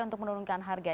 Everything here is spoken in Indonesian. untuk menurunkan harga